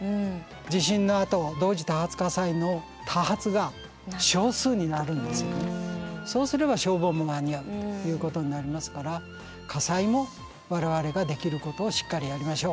地震のあとそうすれば消防も間に合うということになりますから火災も我々ができることをしっかりやりましょう。